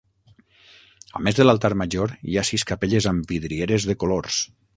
A més de l'altar major, hi ha sis capelles amb vidrieres de colors.